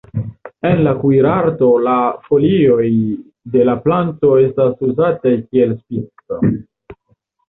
En la kuirarto la folioj de la planto estas uzataj kiel spico.